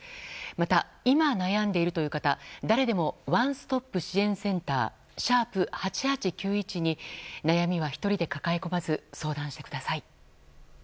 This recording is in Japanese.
また、今悩んでいるという方誰でもワンストップ支援センター「♯８８９１」に悩みは１人で抱え込まず相談してください。